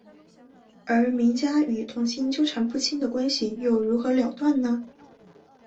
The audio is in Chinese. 而家明与童昕纠缠不清的关系又如何了断呢？